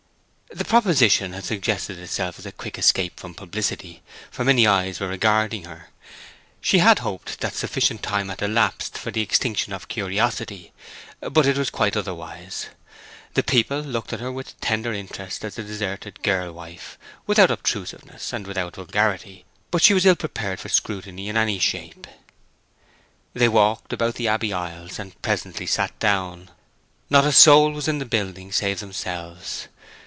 The proposition had suggested itself as a quick escape from publicity, for many eyes were regarding her. She had hoped that sufficient time had elapsed for the extinction of curiosity; but it was quite otherwise. The people looked at her with tender interest as the deserted girl wife—without obtrusiveness, and without vulgarity; but she was ill prepared for scrutiny in any shape. They walked about the Abbey aisles, and presently sat down. Not a soul was in the building save themselves.